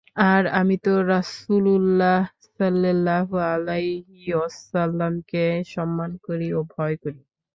আর আমিতো রাসূলুল্লাহ সাল্লাল্লাহু আলাইহি ওয়াসাল্লামকে সম্মান করি ও ভয় করি।